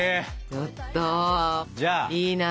ちょっといいな。